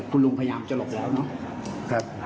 คุณลุงพยายามเจาะหลบแล้ว